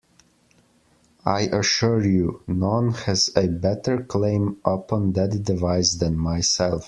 I assure you, none has a better claim upon that device than myself.